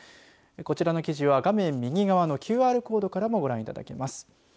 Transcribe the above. こちらの記事は画面右側のＱＲコードからもご覧いただけます。